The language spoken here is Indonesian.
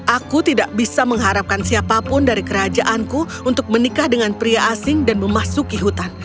aku tidak bisa mengharapkan siapapun dari kerajaanku untuk menikah dengan pria asing dan memasuki hutan